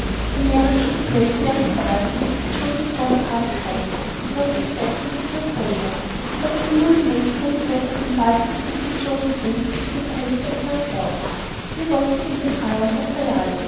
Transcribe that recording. The marriage took place very quietly at Joseph Bonaparte's house, because of the absence of Napoleon; but the newly made princess was invited to visit Josephine at the palace of Saint Cloud. Here was to be the triumph of her life.